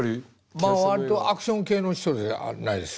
まあ割とアクション系の人じゃないですか？